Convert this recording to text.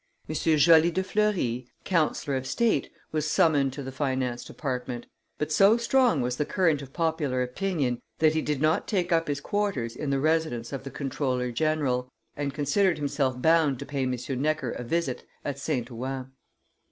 M. Joly de Fleury, councillor of state, was summoned to the finance department; but so strong was the current of popular opinion that he did not take up his quarters in the residence of the comptroller general, and considered himself bound to pay M. Necker a visit at St. Ouen.